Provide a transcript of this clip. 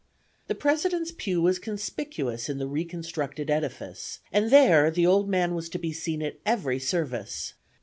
"The President's pew was conspicuous in the reconstructed edifice, and there the old man was to be seen at every service.